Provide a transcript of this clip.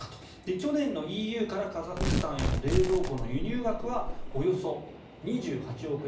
去年のＥＵからカザフスタンへの冷蔵庫の輸入額はおよそ２８億円。